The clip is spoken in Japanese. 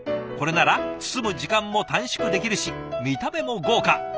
これなら包む時間も短縮できるし見た目も豪華。